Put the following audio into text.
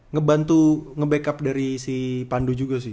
ngebantu ngebackup dari si pandu juga sih